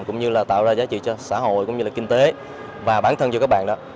cũng như là tạo ra giá trị cho xã hội cũng như là kinh tế và bản thân cho các bạn đó